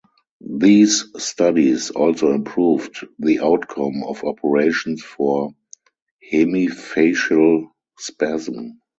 These studies also improved the outcome of operations for hemifacial spasm.